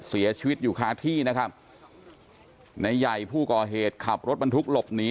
เสียชีวิตอยู่คาที่นะครับในใหญ่ผู้ก่อเหตุขับรถบรรทุกหลบหนี